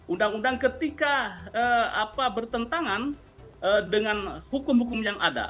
undang undang ketika bertentangan dengan hukum hukum yang ada